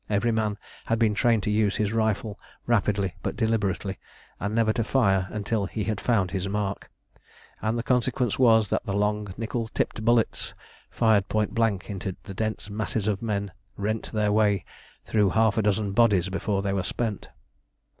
Every man had been trained to use his rifle rapidly but deliberately, and never to fire until he had found his mark; and the consequence was that the long nickel tipped bullets, fired point blank into the dense masses of men, rent their way through half a dozen bodies before they were spent.